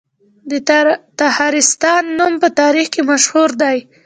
د تخارستان نوم په تاریخ کې مشهور دی